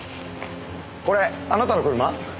これあなたの車？